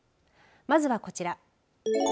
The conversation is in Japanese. まずはこちら。